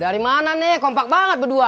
dari mana nih kompak banget berdua